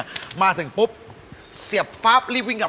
อยากเจอหรือยังฮะ